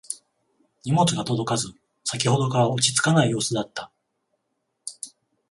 荷物が届かず先ほどから落ち着かない様子だった